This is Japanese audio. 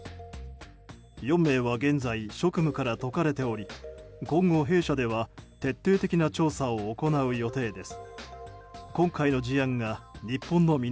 ４名は現在職務から解かれており今後、弊社では徹底的な調査を行う予定です。